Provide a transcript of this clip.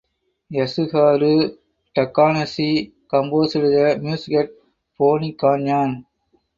Yasuharu Takanashi composed the music at Pony Canyon.